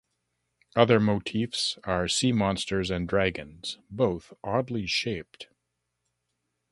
Other motifs are sea-monsters and dragons, both oddly-shaped.